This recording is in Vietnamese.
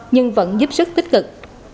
nhưng vẫn giúp sức tích cực